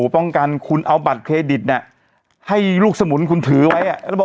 ป้องกันคุณเอาบัตรเครดิตเนี่ยให้ลูกสมุนคุณถือไว้อ่ะแล้วบอก